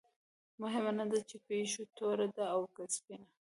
مهمه نه ده چې پیشو توره ده او که سپینه.